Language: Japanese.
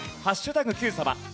Ｑさま＃